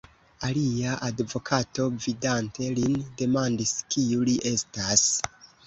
Alia advokato, vidante lin, demandis, kiu li estas.